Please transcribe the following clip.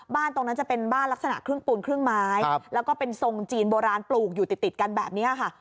ตรงนั้นจะเป็นบ้านลักษณะครึ่งปูนครึ่งไม้แล้วก็เป็นทรงจีนโบราณปลูกอยู่ติดกันแบบนี้ค่ะ